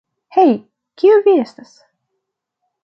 Hej, kiu vi estas?